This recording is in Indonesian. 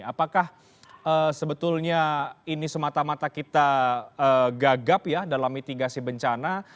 apakah sebetulnya ini semata mata kita gagap ya dalam mitigasi bencana